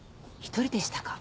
１人でしたか？